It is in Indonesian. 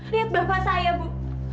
liat bapak saya ibu